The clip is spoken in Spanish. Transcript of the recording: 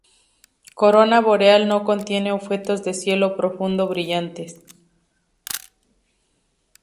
Corona Boreal no contiene objetos de cielo profundo brillantes.